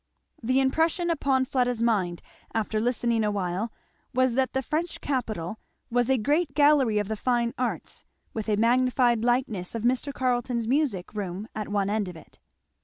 The impression upon Fleda's mind after listening awhile was that the French capital was a great Gallery of the Fine Arts, with a magnified likeness of Mr. Carleton's music room at one end of it.